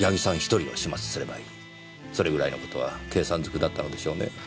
それぐらいの事は計算ずくだったのでしょうね。